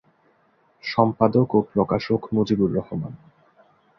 সম্পাদক ও প্রকাশক মুজিবুর রহমান।